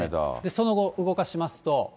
その後、動かしますと。